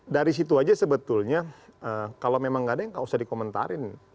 dari situ aja sebetulnya kalau memang nggak ada yang nggak usah dikomentarin